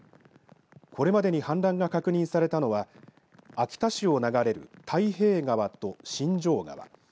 これまでに氾濫が確認されたのは秋田市を流れる太平川と新城川